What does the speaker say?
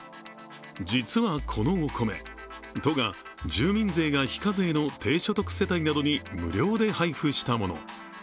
実はこのお米、都が住民税が非課税の低所得世帯などに無料で配布したもの。